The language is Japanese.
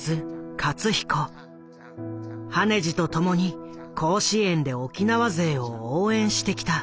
羽地と共に甲子園で沖縄勢を応援してきた。